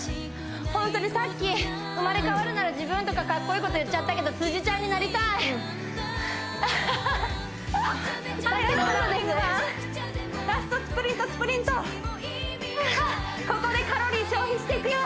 ホントにさっき生まれ変わるなら自分とかかっこいいこと言っちゃったけどランニングマンラストスプリントスプリントここでカロリー消費していくよ！